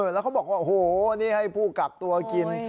แล้วเขาบอกว่าโอ้โหนี่ให้ผู้กักตัวกิน